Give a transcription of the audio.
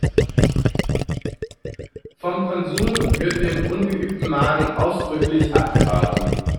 Vom Konsum wird dem "ungeübten" Magen ausdrücklich abgeraten.